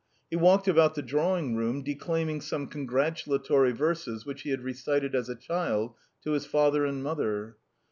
He walked about the drawing room, declaiming some congratulatory verses which he had recited as a child to his father and mother.